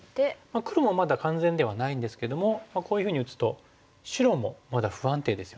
黒もまだ完全ではないんですけどもこういうふうに打つと白もまだ不安定ですよね。